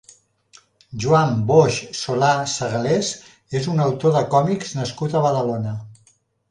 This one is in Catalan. Joan Boix Solà-Segalés és un autor de còmics nascut a Badalona.